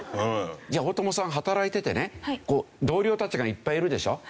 じゃあ大友さん働いててね同僚たちがいっぱいいるでしょ？